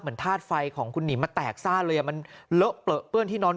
ธาตุไฟของคุณหนิมมาแตกซ่านเลยมันเลอะเปลือเปื้อนที่นอน